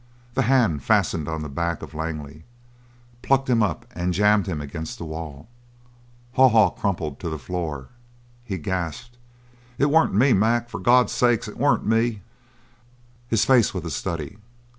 The hand fastened on the back of Langley, plucked him up, and jammed him against the wall. Haw Haw crumpled to the floor. He gasped: "It weren't me, Mac. For Gawd's sake, it weren't me!" His face was a study.